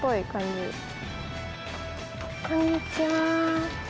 こんにちは。